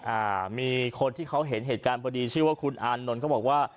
อ่ามีคนที่เขาเห็นเหตุการณ์พอดีชื่อว่าคุณอานนท์เขาบอกว่า